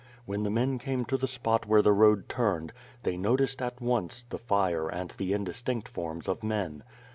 When the men came to the spot where the road turned, they noticed, at once, the fire and the indistinct forms of men.